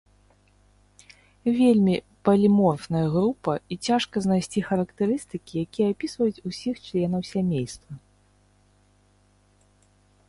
Вельмі паліморфная група, і цяжка знайсці характарыстыкі, якія апісваюць ўсіх членаў сямейства.